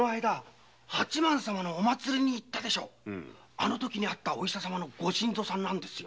あの時会ったお医者サマのご新造さんなんですよ。